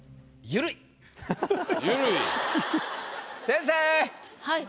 「ゆるい」？